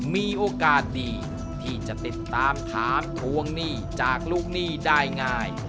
มีโอกาสดีที่จะติดตามถามทวงหนี้จากลูกหนี้ได้ง่าย